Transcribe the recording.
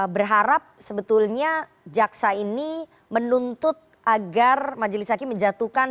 berharap sebetulnya jaksa ini menuntut agar majelisaki menjatuhkan